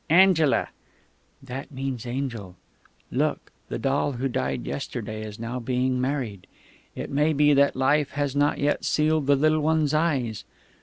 "Angela." "That means 'angel'... Look, the doll who died yesterday is now being married.... It may be that Life has not yet sealed the little one's eyes.